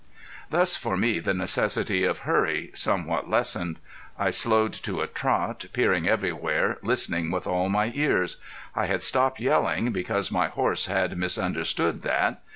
Thus for me the necessity of hurry somewhat lessened. I slowed to a trot, peering everywhere, listening with all my ears. I had stopped yelling, because my horse had misunderstood that.